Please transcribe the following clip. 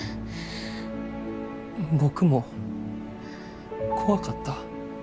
僕も怖かった。